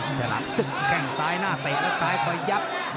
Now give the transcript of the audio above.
แต่หลักศึกแข่งซ้ายหน้าเตะและซ้ายพยับ